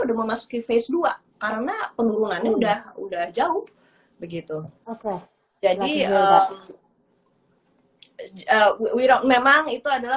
udah memasuki face dua karena penurunannya udah udah jauh begitu oke jadi wiro memang itu adalah